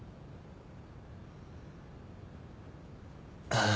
ああ。